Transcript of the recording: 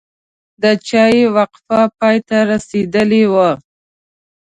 د چای وقفه پای ته رسیدلې وه.